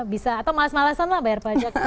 bisa atau males malesan lah bayar pajak